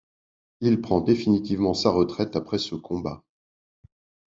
Il prend définitivement sa retraite après ce combat.